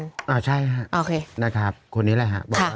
พบตรใช่ครับนะครับคนนี้แหละครับ